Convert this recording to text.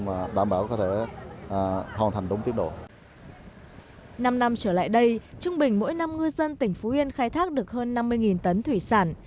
vậy đây trung bình mỗi năm ngư dân tỉnh phú yên khai thác được hơn năm mươi tấn thủy sản